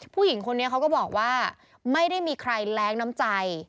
ผู้หญิงคนนี้เขาก็บอกว่าไม่ได้มีใครแร้งน้ำใจ